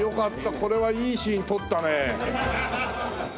これはいいシーン撮ったね。